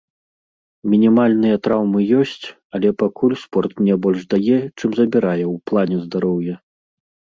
Мінімальныя траўмы ёсць, але пакуль спорт мне больш дае, чым забірае ў плане здароўя.